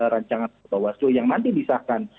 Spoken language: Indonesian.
rancangan bawaslu yang nanti disahkan